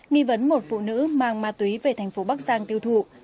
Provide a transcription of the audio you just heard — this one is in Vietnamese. nghi vấn một phụ nữ mang ma túy về thành phố bắc giang tiêu thụ